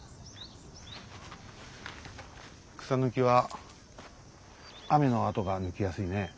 草抜きは雨のあとが抜きやすいね。